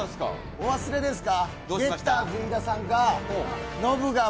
お忘れですか？